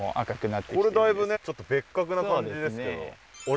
これだいぶねちょっと別格な感じですけど。